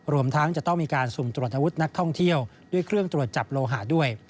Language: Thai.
รวมทั้งจะต้องมีการสุ่มตรวจอาวุธนักท่องเที่ยวด้วยเครื่องตรวจจับโลหะด้วย